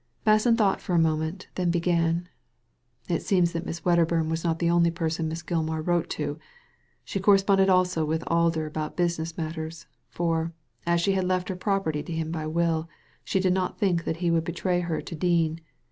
Basson thought for a moment, then begaa ^It seems that Miss Wedderburn was not the only person Miss Gilmar wrote to ; she corresponded also with Alder about business matters, for, as she had left her property to him by will, she did not think that he would betray her to Dean.